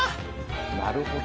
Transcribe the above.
なるほど。